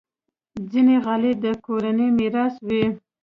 ځینې غالۍ د کورنۍ میراث وي.